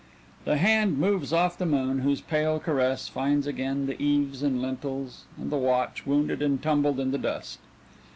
The hand moves off the moon whose pale caress finds again the eaves and lintels, and the watch, wounded and tumbled in the dust.